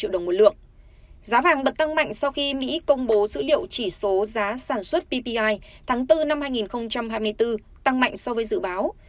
giá vàng bật tăng mạnh sau khi mỹ công bố dữ liệu chỉ số giá sản xuất ppi tháng bốn năm hai nghìn hai mươi bốn tăng mạnh so với dự báo